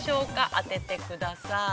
当ててください。